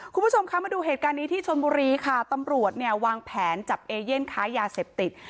คุณผู้ชมคะมาดูเหตุการณ์นี้ที่ชนบุรีค่ะตำรวจเนี่ยวางแผนจับเอเย่นค้ายาเสพติด